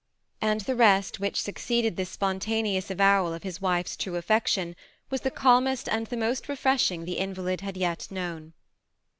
And the rest which succeeded this spontaneous avow al of his wife's true affection was the calmest and the most refreshing the invalid had yet known.